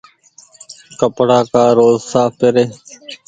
ڪپڙآ ڪآ روز ساڦ پيري۔